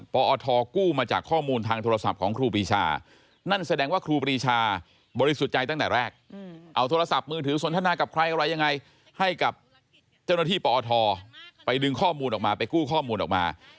ปอทกู้มาจากข้อมูลทางโทรศัพท์ของครูปีชานั่นแสดงว่าครูปรีชาบริสุทธิ์ใจตั้งแต่แรกเอาโทรศัพท์มือถือสนทนากับใครอะไรยังไงให้กับเจ้าหน้าที่ปอทไปดึงข้อมูลออกมาไปกู้ข้อมูลออกมา